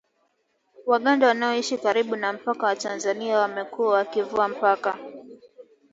Waganda wanaoishi karibu na mpaka wa Tanzania wamekuwa wakivuka mpaka